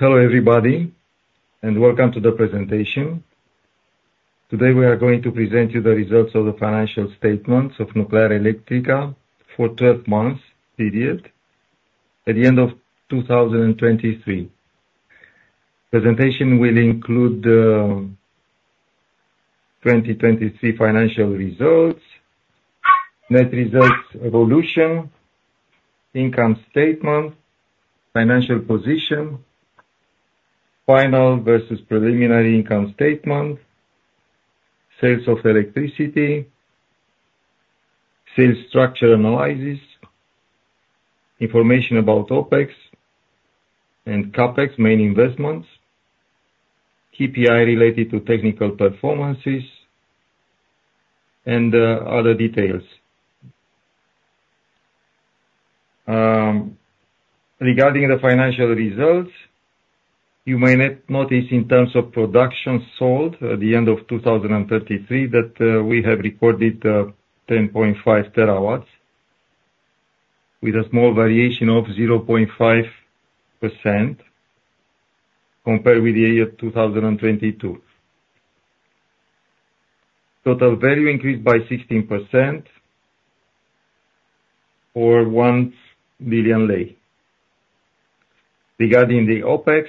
Hello, everybody, and welcome to the presentation. Today, we are going to present you the results of the financial statements of Nuclearelectrica for 12 months period at the end of 2023. Presentation will include 2023 financial results, net results evolution, income statement, financial position, final versus preliminary income statement, sales of electricity, sales structure analysis, information about OpEx and CapEx main investments, KPI related to technical performances and other details. Regarding the financial results, you may not notice in terms of production sold at the end of 2023, that we have recorded 10.5 terawatts, with a small variation of 0.5% compared with the year 2022. Total value increased by 16% or RON 1 billion. Regarding the OpEx,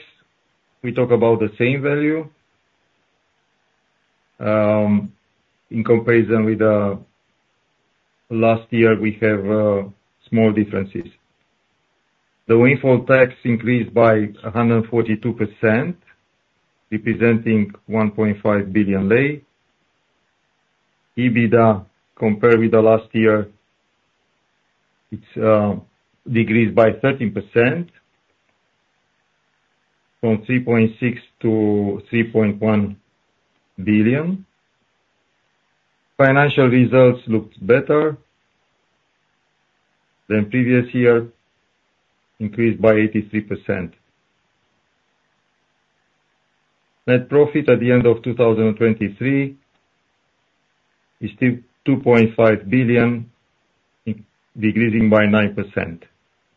we talk about the same value. In comparison with last year, we have small differences. The windfall tax increased by 142%, representing RON 1.5 billion. EBITDA, compared with the last year, it's decreased by 13% from RON 3.6 billion to RON 3.1 billion. Financial results looks better than previous year, increased by 83%. Net profit at the end of 2023 is still RON 2.5 billion, decreasing by 9%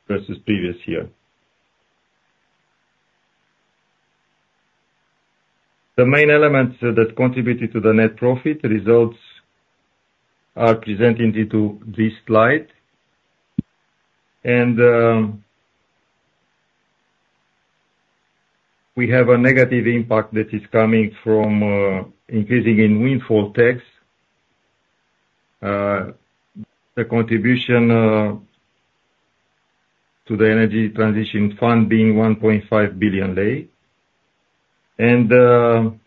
versus previous year. The main elements that contributed to the net profit results are presented into this slide, and we have a negative impact that is coming from increasing in windfall tax. The contribution to the energy transition fund being RON 1.5 billion, and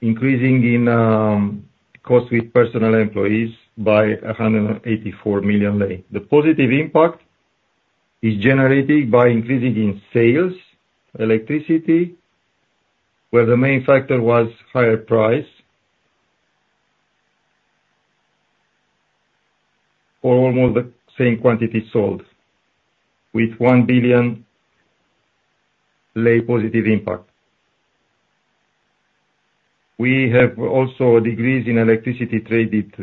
increasing in cost with personnel employees by RON 184 million. The positive impact is generated by increasing in sales, electricity, where the main factor was higher price for almost the same quantity sold, with RON 1 billion positive impact. We have also a decrease in electricity traded,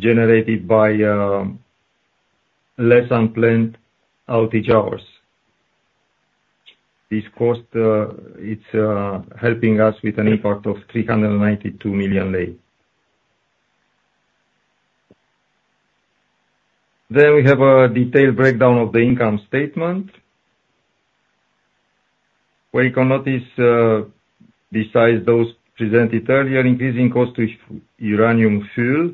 generated by, less unplanned outage hours. This cost, it's helping us with an impact of RON 392 million. Then we have a detailed breakdown of the income statement, where you can notice, besides those presented earlier, increasing cost of uranium fuel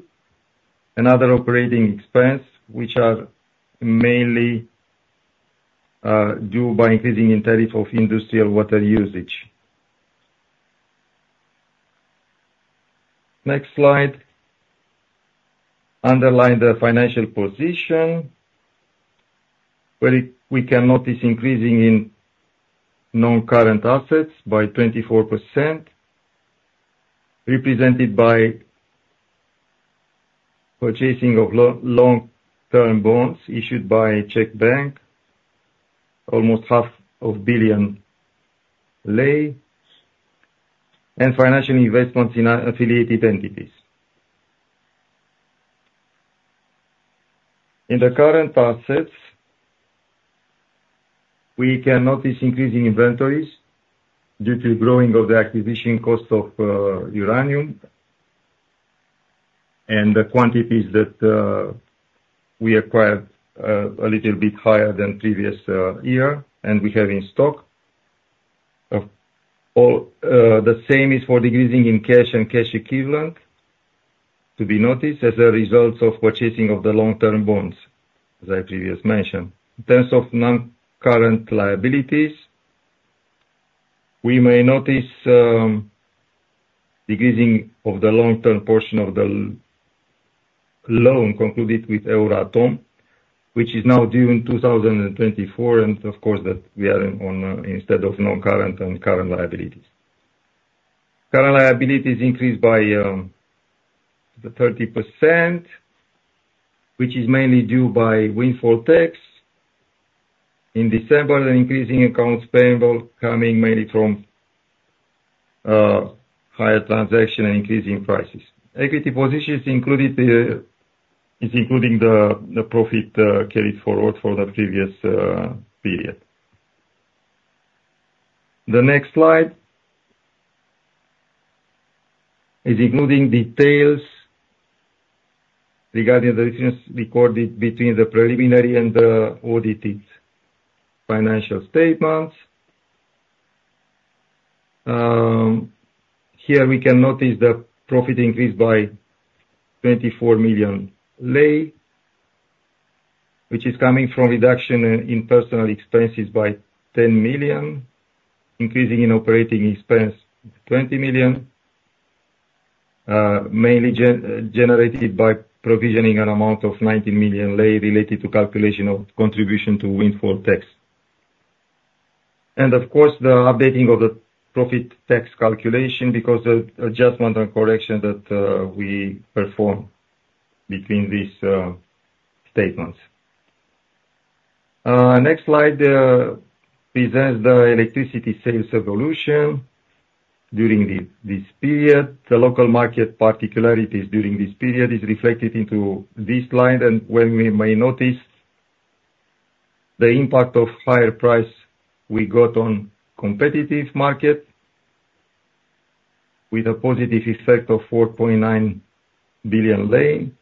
and other operating expense, which are mainly, due by increasing in tariff of industrial water usage. Next slide. Underline the financial position, where we can notice increasing in non-current assets by 24%, represented by purchasing of long-term bonds issued by CEC Bank, almost RON 500 million, and financial investments in, affiliated entities. In the current assets, we can notice increasing inventories due to growing of the acquisition cost of uranium and the quantities that we acquired a little bit higher than previous year, and we have in stock. Overall, the same is for the decrease in cash and cash equivalents to be noticed as a result of purchasing of the long-term bonds, as I previously mentioned. In terms of non-current liabilities, we may notice decreasing of the long-term portion of the loan concluded with Euratom, which is now due in 2024, and of course, that we are on instead of non-current and current liabilities. Current liabilities increased by the 30%, which is mainly due to Windfall Tax. In December, an increasing accounts payable coming mainly from higher transaction and increasing prices. Equity positions included the profit carried forward for the previous period. The next slide is including details regarding the difference recorded between the preliminary and the audited financial statements. Here we can notice the profit increased by RON 24 million, which is coming from reduction in personal expenses by RON 10 million, increasing in operating expense RON 20 million, mainly generated by provisioning an amount of RON 19 million related to calculation of contribution to windfall tax. Of course, the updating of the profit tax calculation because the adjustment and correction that we performed between these statements. Next slide presents the electricity sales evolution during this period. The local market particularities during this period is reflected into this slide, and where we may notice the impact of higher price we got on competitive market with a positive effect of RON 4.9 billion.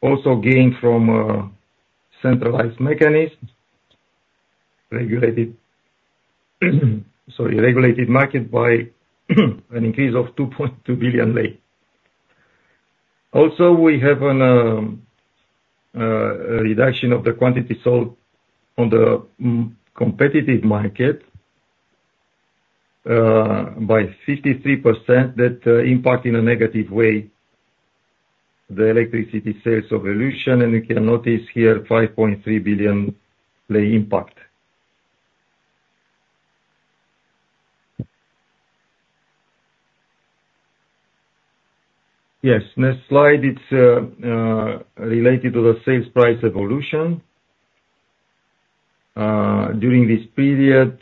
Also gain from, centralized mechanism, regulated, sorry, regulated market by an increase of RON 2.2 billion. Also, we have a reduction of the quantity sold on the, competitive market, by 53%, that impact in a negative way the electricity sales evolution, and you can notice here RON 5.3 billion impact. Yes, next slide, it's, related to the sales price evolution. During this period,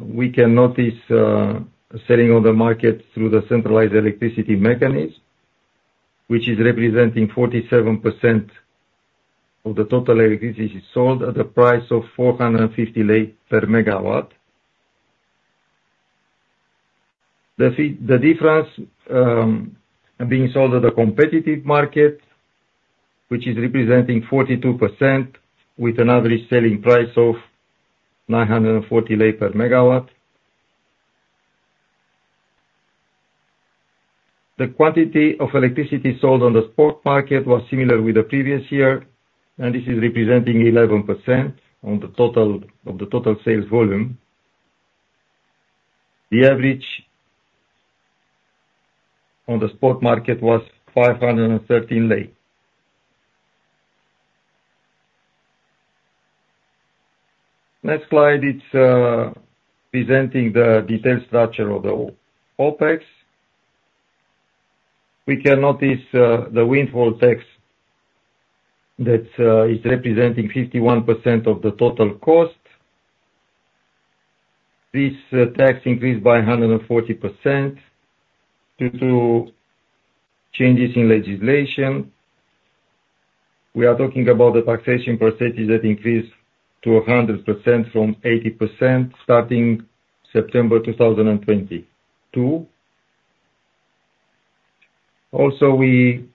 we can notice, selling on the market through the centralized electricity mechanism, which is representing 47% of the total electricity sold at the price of RON 450 per megawatt. The difference being sold on the competitive market, which is representing 42% with an average selling price of 940 RON per megawatt. The quantity of electricity sold on the spot market was similar with the previous year, and this is representing 11% of the total sales volume. The average on the spot market was 513 RON. Next slide, it's presenting the detailed structure of the OpEx. We can notice the windfall tax that is representing 51% of the total cost. This tax increased by 140% due to changes in legislation. We are talking about the taxation percentage that increased to 100% from 80% starting September 2022. Also, we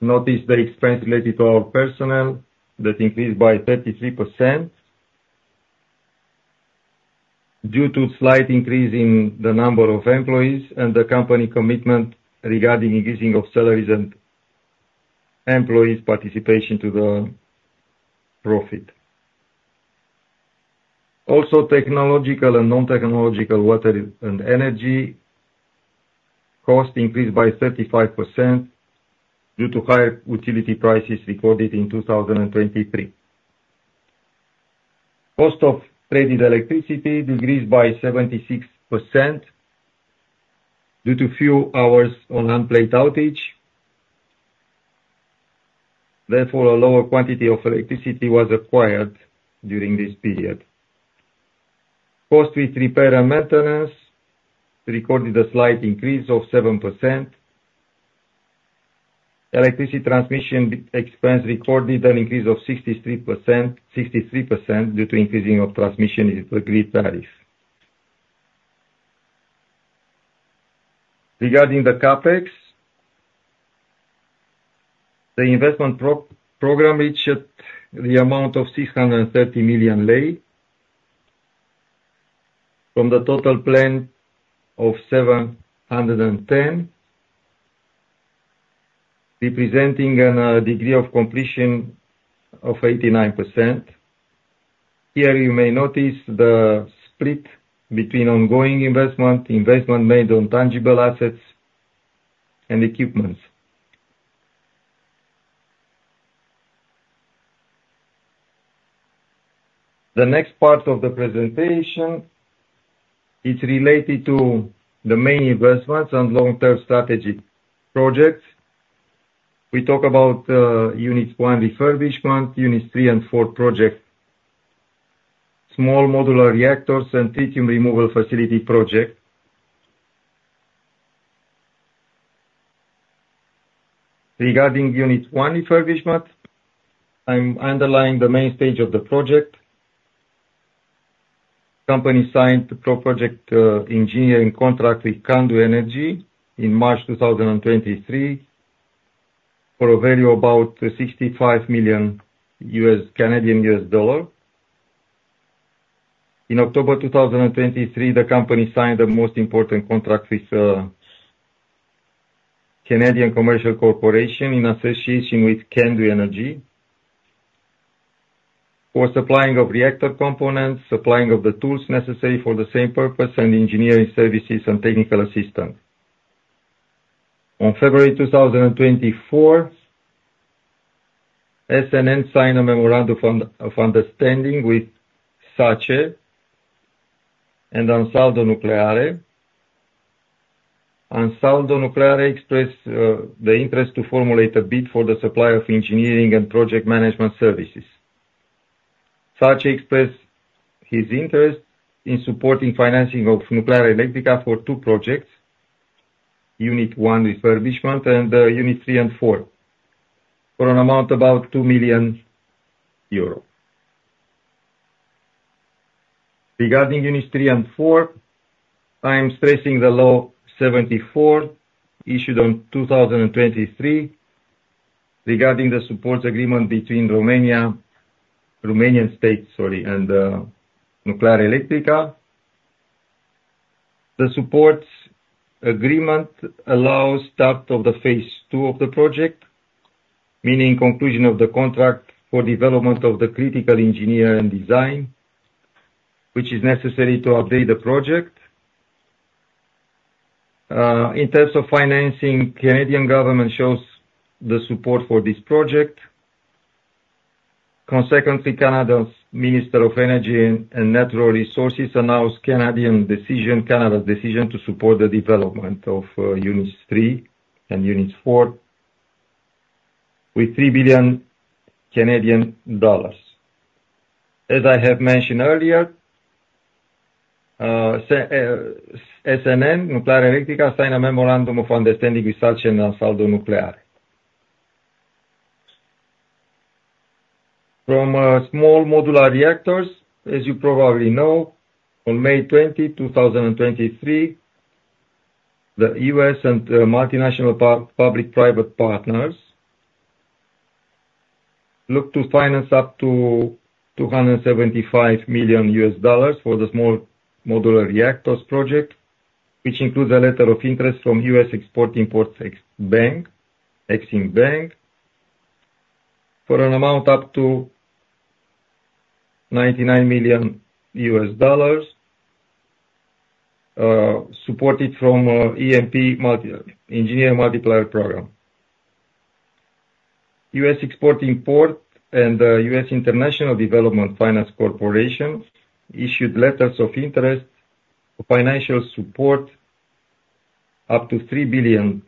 notice the expense related to our personnel that increased by 33% due to slight increase in the number of employees and the company commitment regarding increasing of salaries and employees' participation to the profit. Also, technological and non-technological water and energy cost increased by 35% due to higher utility prices recorded in 2023. Cost of traded electricity decreased by 76% due to few hours on unplanned outage, therefore, a lower quantity of electricity was acquired during this period. Cost with repair and maintenance recorded a slight increase of 7%. Electricity transmission expense recorded an increase of 63%, 63% due to increasing of transmission grid tariff. Regarding the CapEx, the investment program reached the amount of RON 630 million, from the total plan of 710, representing a degree of completion of 89%. Here, you may notice the split between ongoing investment, investment made on tangible assets and equipment. The next part of the presentation is related to the main investments and long-term strategy projects. We talk about Unit 1 refurbishment, Units 3 and 4 project, small modular reactors and Tritium Removal Facility project. Regarding Unit 1 refurbishment, I'm underlying the main stage of the project. The company signed the project engineering contract with Candu Energy in March 2023, for a value of about $65 million US, Canadian US dollar. In October 2023, the company signed the most important contract with Canadian Commercial Corporation, in association with Candu Energy, for supplying of reactor components, supplying of the tools necessary for the same purpose and engineering services and technical assistance. On February 2024, SNN signed a memorandum of understanding with SACE and Ansaldo Nucleare. Ansaldo Nucleare expressed the interest to formulate a bid for the supply of engineering and project management services. SACE expressed his interest in supporting financing of Nuclearelectrica for two projects: Unit 1 refurbishment and Unit 3 and 4, for an amount about 2 million euros. Regarding Units 3 and 4, I am stressing the Law 74/2023, issued on 2023, regarding the support agreement between Romania, Romanian state, sorry, and Nuclearelectrica. The support agreement allows start of the phase two of the project, meaning conclusion of the contract for development of the critical engineering design, which is necessary to update the project. In terms of financing, Canadian government shows the support for this project. Consequently, Canada's Minister of Energy and Natural Resources announced Canada's decision to support the development of Units 3 and 4 with 3 billion Canadian dollars. As I have mentioned earlier, SNN, Nuclearelectrica, signed a memorandum of understanding with SACE and Ansaldo Nucleare. From small modular reactors, as you probably know, on May 20, 2023, the U.S. and multinational public-private partners looked to finance up to $275 million for the small modular reactors project, which includes a letter of interest from U.S. Export-Import Bank, EXIM Bank, for an amount up to $99 million, supported from EMP Engineering Multiplier Program. U.S. Export-Import and U.S. International Development Finance Corporation issued letters of interest for financial support up to $3 billion,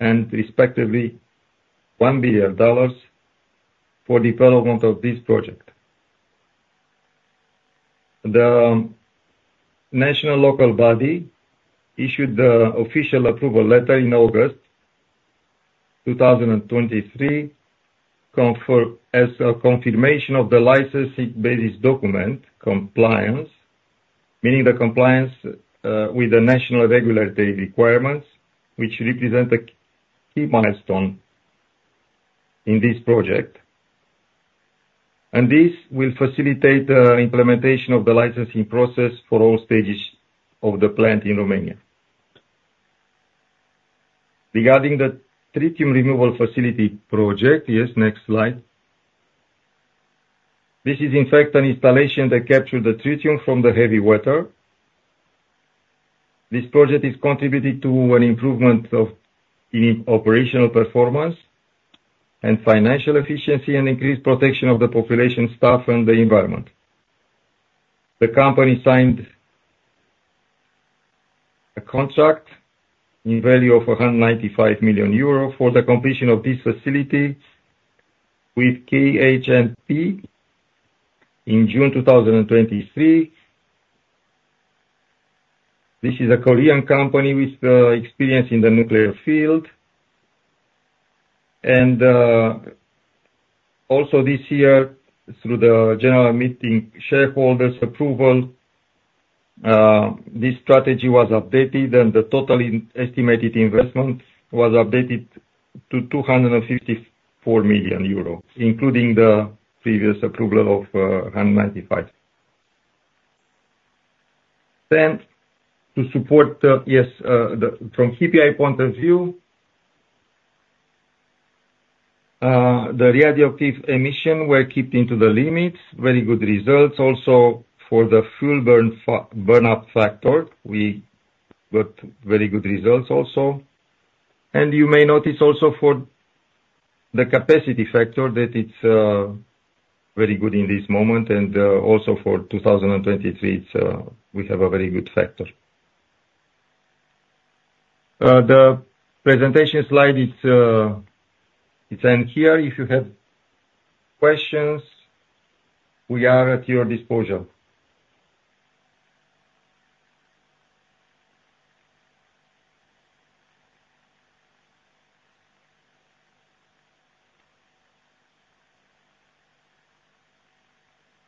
and respectively, $1 billion for development of this project. The national local body issued the official approval letter in August 2023, as a confirmation of the licensing basis document compliance, meaning the compliance with the national regulatory requirements, which represent a key milestone in this project. This will facilitate implementation of the licensing process for all stages of the plant in Romania. Regarding the Tritium Removal Facility project, yes, next slide. This is in fact an installation that captured the tritium from the heavy water. This project is contributed to an improvement of the operational performance and financial efficiency, and increased protection of the population, staff, and the environment. The company signed a contract in value of 195 million euro for the completion of this facility with KHNP in June 2023. This is a Korean company with experience in the nuclear field. Also this year, through the General Meeting of Shareholders approval, this strategy was updated, and the total estimated investment was updated to 254 million euro, including the previous approval of 195 million. Then, to support, yes, the from KPI point of view, the radioactive emission were kept into the limits. Very good results also for the fuel burnup factor, we got very good results also. And you may notice also for the capacity factor, that it's very good in this moment, and also for 2023, it's we have a very good factor. The presentation slide, it's end here. If you have questions, we are at your disposal.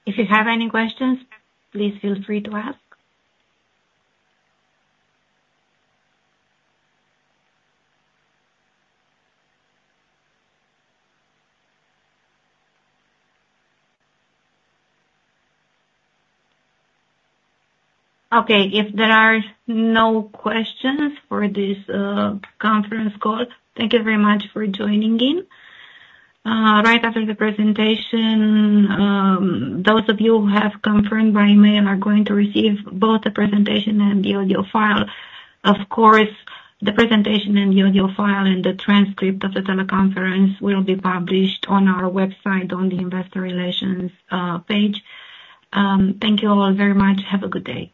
If you have any questions, please feel free to ask. Okay, if there are no questions for this conference call, thank you very much for joining in. Right after the presentation, those of you who have confirmed by email are going to receive both the presentation and the audio file. Of course, the presentation and the audio file and the transcript of the teleconference will be published on our website, on the investor relations page. Thank you all very much. Have a good day.